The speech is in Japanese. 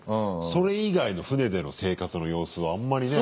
それ以外の船での生活の様子はあんまりね。